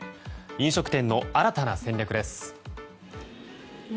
飲食店の新たな戦略です。